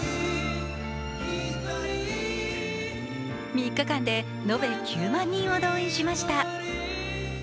３日間で延べ９万人を動員しました。